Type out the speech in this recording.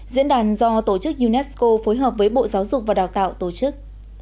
diễn đàn do tổ chức unesco phối hợp với bộ giáo dục và đào tạo tổ chức